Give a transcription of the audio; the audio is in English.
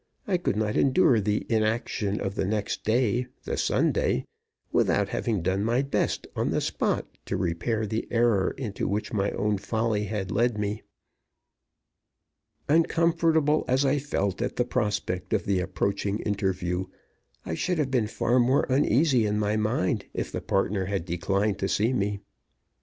I could not endure the inaction of the next day, the Sunday, without having done my best on the spot to repair the error into which my own folly had led me. Uncomfortable as I felt at the prospect of the approaching interview, I should have been far more uneasy in my mind if the partner had declined to see me.